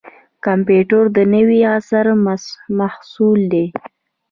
کمپیوټر د نوي عصر محصول دی